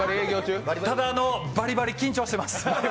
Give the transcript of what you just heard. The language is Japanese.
ただ、バリバリ緊張してます。